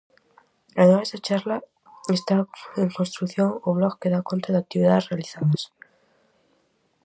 Ademais da charla, está en construción o blog que dá conta das actividades realizadas.